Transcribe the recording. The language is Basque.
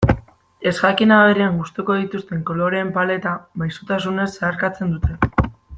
Ezjakin aberrian gustuko dituzten koloreen paleta maisutasunez zeharkatzen dute.